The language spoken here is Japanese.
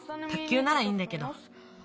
たっきゅうならいいんだけど。